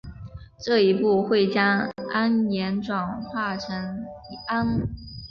这一步会将铵盐转化成氨。